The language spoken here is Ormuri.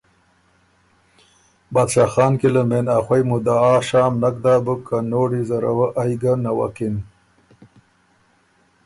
بادشاه خان کی له مېن ا خوئ مدعا شام نک داک بُک که نوړي زره وه ائ ګۀ نوکِن۔